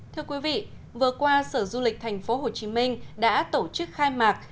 thưa quý vị vừa qua sở du lịch tp hcm đã tổ chức khai mạc